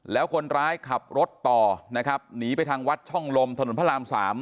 แล้วคนร้ายขับรถต่อนะครับหนีไปทางวัดช่องลมถนนพระราม๓